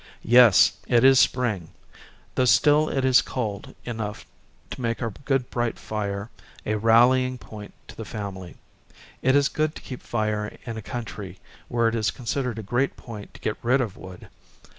Yes, it is spring ; though still it is cold enough to make our good bright fire a rallying point to the family. It is good to keep fire in a country where it is considered a great point to get rid of wood.